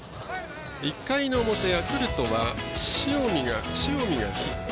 １回の表、ヤクルトは塩見がヒット。